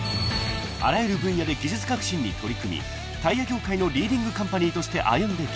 ［あらゆる分野で技術革新に取り組みタイヤ業界のリーディングカンパニーとして歩んできた］